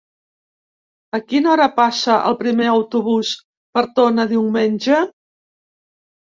A quina hora passa el primer autobús per Tona diumenge?